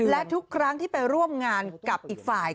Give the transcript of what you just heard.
และทุกครั้งที่ไปร่วมงานกับอีกฝ่าย